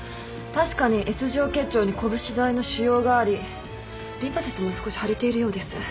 確かにＳ状結腸にこぶし大の腫瘍がありリンパ節も少し腫れているようです。